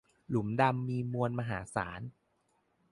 หลุมดำมีมวลมหาศาล